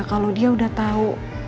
kalau dia udah tau